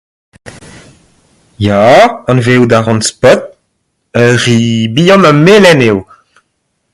Ya, anavezout a ran Spot, ur c'hi bihan ha melen eo.